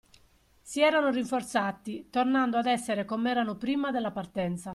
Si erano rinforzati, tornando ad essere come erano prima della partenza.